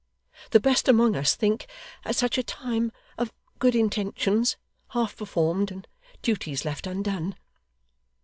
The best among us think, at such a time, of good intentions half performed and duties left undone.